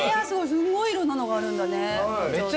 すごいいろんなのがあるんだね。